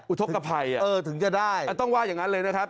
อุทธกภัยถึงจะได้ต้องว่าอย่างนั้นเลยนะครับ